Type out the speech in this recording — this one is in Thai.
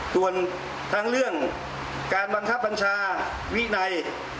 ส่วนทั้งเรื่องการบังคับบัญชาวินัย